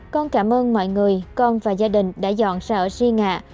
con cảm ơn mọi người con và gia đình đã dọn ra ở ri ngạ